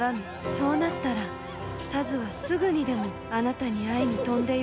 そうなったら田鶴はすぐにでもあなたに会いに飛んでゆこう。